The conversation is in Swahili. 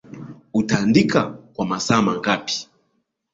Utaandika kwa masaa mangapi